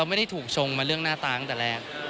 ไม่ได้ถูกชงมาเรื่องหน้าตาตั้งแต่แรก